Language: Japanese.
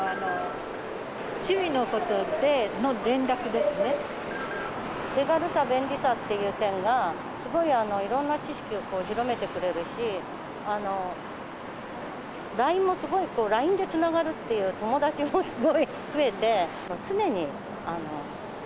調べものとか、手軽さ、便利さっていう点が、すごいいろんな知識を広めてくれるし、ＬＩＮＥもすごい、ＬＩＮＥでつながるっていう友達もすごい増えて。